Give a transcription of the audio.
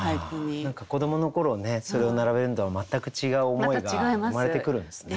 何か子どもの頃ねそれを並べるのとは全く違う思いが生まれてくるんですね。